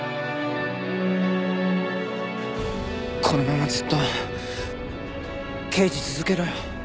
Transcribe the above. このままずっと刑事続けろよ。